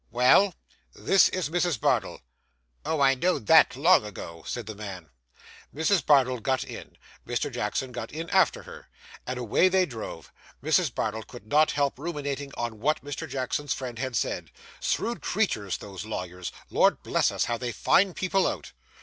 'Well?' 'This is Mrs. Bardell.' 'Oh, I know'd that long ago,' said the man. Mrs. Bardell got in, Mr. Jackson got in after her, and away they drove. Mrs. Bardell could not help ruminating on what Mr. Jackson's friend had said. Shrewd creatures, those lawyers. Lord bless us, how they find people out!